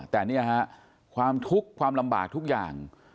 แต่เนี่ยฮะความทุกข์ความลำบากทุกอย่าง